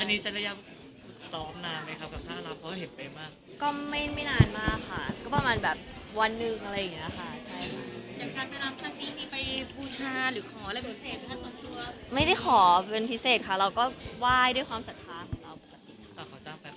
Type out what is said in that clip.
นี่ใช้ระยะมานานไหมท่ารับเห็นไปกว่านานมาก